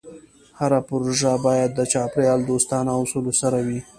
هره پروژه باید د چاپېریال دوستانه اصولو سره وي.